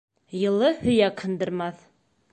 Йылы һөйәк һындырмаҫ.